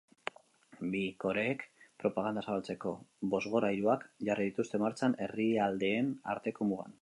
Bi koreek propaganda zabaltzeko bozgorailuak jarri dituzte martxan herrialdeen arteko mugan.